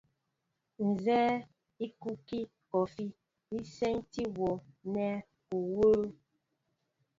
Nzɛ́ɛ́ íkukí kɔɔfí í sínti wɔ nɛ́ u wə̄ə̄.